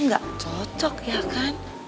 gak cocok ya kan